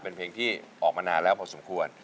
เป็นเพลงที่ออกมานานแล้วพอสมควร